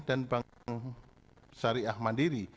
dan bank syariah mandiri